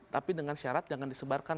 tapi dengan syarat jangan disebarkan